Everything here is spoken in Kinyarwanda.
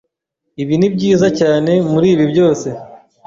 Ibi nibyiza cyane muribi byose.